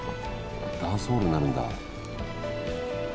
ダンスホールになるんだ。